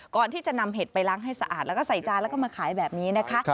ก่อนที่จะนำเห็ดไปล้างให้สะอาดแล้วก็ใส่จานแล้วก็มาขายแบบนี้นะคะ